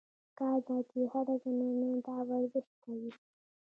پکار ده چې هره زنانه دا ورزش کوي -